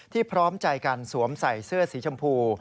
พร้อมใจกันสวมใส่เสื้อสีชมพู